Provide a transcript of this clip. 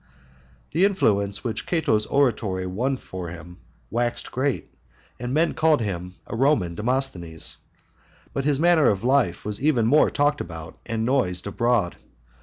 IV. The influence which Cato's oratory won for him waxed great, and men called him a Roman Demosthenes; but his manner of life was even more talked about and noised abroad.